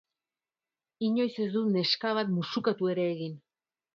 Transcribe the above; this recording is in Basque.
Inoiz ez dut neska bat musukatu ere egin.